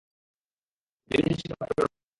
লেলিহান শিখা প্রেরণ করেন।